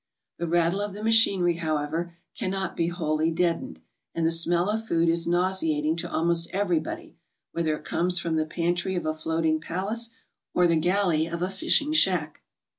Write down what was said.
The rattle of the machinery, however, cannot be wholly deadened, and the smell of food is nauseating to almost everybody, whether it comes from the pantry of a floating palace or the galley of a fishing smack.